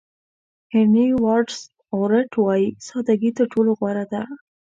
هېنري واډز اورت وایي ساده ګي تر ټولو غوره ده.